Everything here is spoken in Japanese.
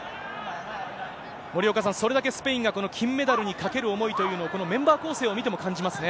森岡さん、それだけスペインがこの金メダルにかける思いというのを、このメンバー構成を見ても感じますね。